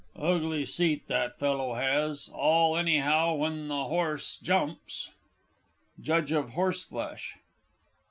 Ugly seat that fellow has all anyhow when the horse jumps. JUDGE OF HORSEFLESH.